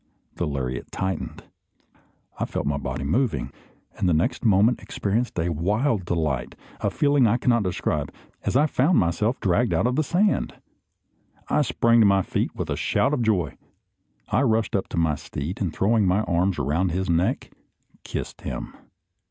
The lariat tightened, I felt my body moving, and the next moment experienced a wild delight, a feeling I cannot describe, as I found myself dragged out of the sand! I sprang to my feet with a shout of joy. I rushed up to my steed, and throwing my arms around his neck, kissed him.